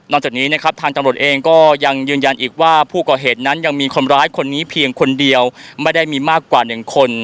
จากนี้นะครับทางตำรวจเองก็ยังยืนยันอีกว่าผู้ก่อเหตุนั้นยังมีคนร้ายคนนี้เพียงคนเดียวไม่ได้มีมากกว่าหนึ่งคน